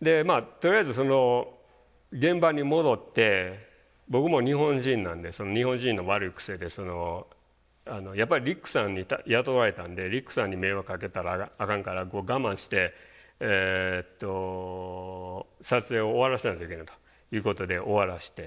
でまあとりあえずその現場に戻って僕も日本人なんでその日本人の悪い癖でやっぱりリックさんに雇われたんでリックさんに迷惑かけたらあかんから我慢して撮影を終わらせなきゃいけないということで終わらせて。